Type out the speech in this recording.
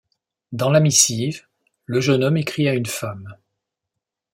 Dans la missive, le jeune homme écrit à une femme.